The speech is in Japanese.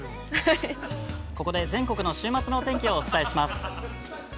◆ここで全国の週末のお天気をお伝えします。